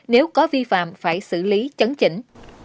nếu có vi phạm phải xử lý chấn chỉnh